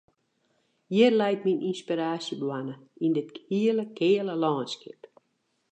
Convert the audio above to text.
Hjir leit myn ynspiraasjeboarne, yn dit hele keale lânskip.